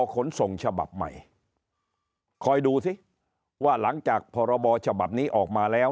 ขนส่งฉบับใหม่คอยดูสิว่าหลังจากพรบฉบับนี้ออกมาแล้ว